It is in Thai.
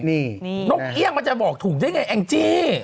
นี่นกเอี่ยงมันจะบอกถูกได้ไงแองจี้